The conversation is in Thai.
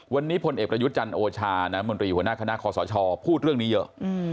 วันนี้พลเอกประยุทธ์จันทร์โอชาน้ำมนตรีหัวหน้าคณะคอสชพูดเรื่องนี้เยอะ